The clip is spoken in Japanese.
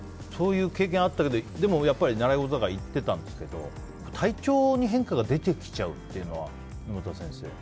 そういう経験があったけどでも、やっぱり習い事だから行ってたんですけど体調に変化が出てきちゃうっていうのは沼田先生。